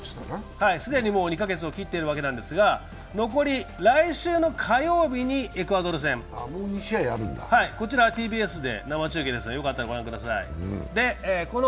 既にもう２か月を切ってるわけなんですが残り、来週の火曜日にエクアドル戦こちらはＴＢＳで生中継、よかったらご覧ください。